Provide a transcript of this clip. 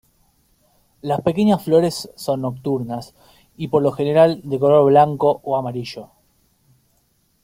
Las pequeñas flores son nocturnas y por lo general de color blanco o amarillo.